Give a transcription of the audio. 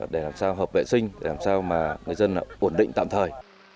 để làm sao hợp vệ sinh để làm sao mà người dân ổn định tạm thời